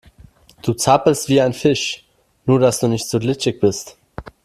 Du zappelst wie ein Fisch, nur dass du nicht so glitschig bist.